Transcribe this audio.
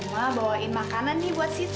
mama bawain makanan nih buat sita